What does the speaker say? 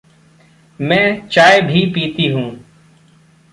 मैं चाय भी पीती हूँ।